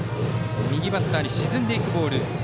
右バッターに沈んでいくボール。